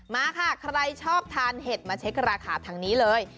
มาค่ะใครชอบทานเห็ดมาเช็คราคาทางนี้เลย